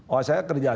oh saya kerja saja